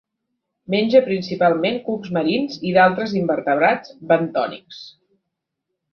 Menja principalment cucs marins i d'altres invertebrats bentònics.